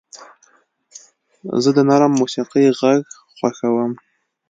زه د نرم موسیقۍ غږ خوښوم.